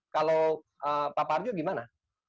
kalau pak parjo gimana